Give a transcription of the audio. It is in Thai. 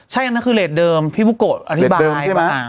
ใช่นั่นคือเรทเดิมพี่บุ๊กโกะอธิบาย